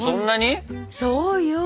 そうよ。